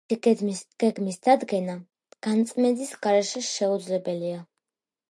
მათი გეგმის დადგენა გაწმენდის გარეშე შეუძლებელია.